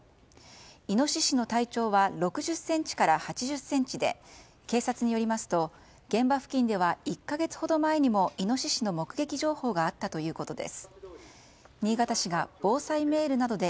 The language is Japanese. イノシシの体長は６０ｃｍから８０ｃｍで警察によりますと現場付近では１か月ほど前にもイノシシの目撃情報があったということです。